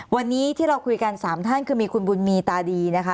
วันนี้ที่เราคุยกัน๓ท่านคือมีคุณบุญมีตาดีนะคะ